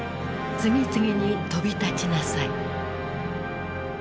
次々に飛び立ちなさい。